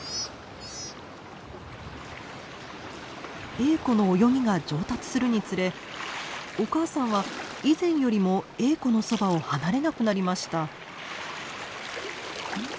エーコの泳ぎが上達するにつれお母さんは以前よりもエーコのそばを離れなくなりました。